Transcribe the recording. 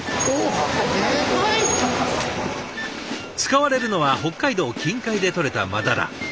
使われるのは北海道近海で取れた真鱈。